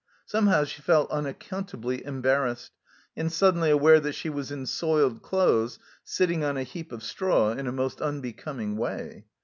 Somehow she felt unaccountably embarrassed, and suddenly aware that she was in soiled clothes, sitting on a heap of straw in a most unbecoming way.